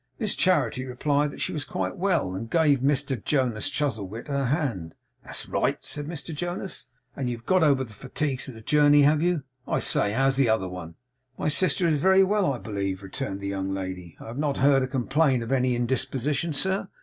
Miss Charity replied that she was quite well, and gave Mr Jonas Chuzzlewit her hand. 'That's right,' said Mr Jonas, 'and you've got over the fatigues of the journey have you? I say. How's the other one?' 'My sister is very well, I believe,' returned the young lady. 'I have not heard her complain of any indisposition, sir.